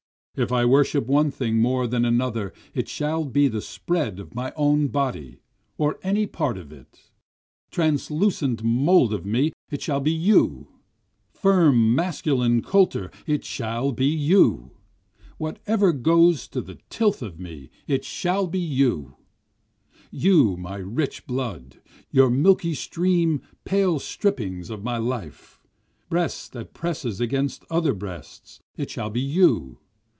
If I worship one thing more than another it shall be the spread of my own body, or any part of it, Translucent mould of me it shall be you! Shaded ledges and rests it shall be you! Firm masculine colter it shall be you! Whatever goes to the tilth of me it shall be you! You my rich blood! your milky stream pale strippings of my life! Breast that presses against other breasts it shall be you!